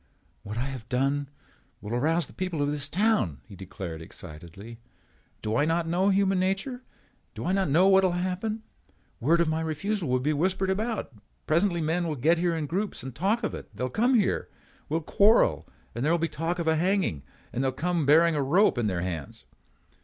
"What I have done will arouse the people of this town," he declared excitedly. "Do I not know human nature? Do I not know what will happen? Word of my refusal will be whispered about. Presently men will get together in groups and talk of it. They will come here. We will quarrel and there will be talk of hanging. Then they will come again bearing a rope in their hands."